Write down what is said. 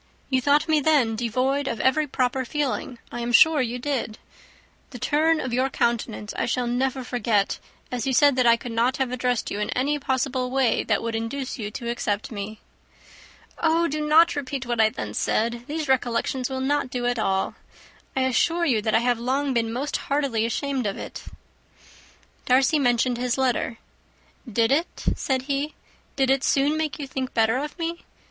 You thought me then devoid of every proper feeling, I am sure you did. The turn of your countenance I shall never forget, as you said that I could not have addressed you in any possible way that would induce you to accept me." "Oh, do not repeat what I then said. These recollections will not do at all. I assure you that I have long been most heartily ashamed of it." Darcy mentioned his letter. "Did it," said he, "did it soon make you think better of me?